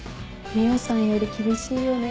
海音さんより厳しいよね。